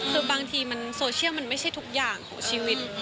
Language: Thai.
คือบางทีมันโซเชียลมันไม่ใช่ทุกอย่างของชีวิต